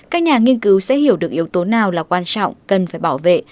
các nhà nghiên cứu sẽ hiểu được yếu tố nào là quan trọng cần phải bảo vệ